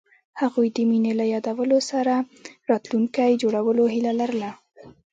هغوی د مینه له یادونو سره راتلونکی جوړولو هیله لرله.